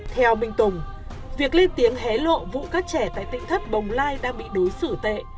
theo minh tùng việc lên tiếng hé lộ vụ các trẻ tại tỉnh thấp bồng lai đang bị đối xử tệ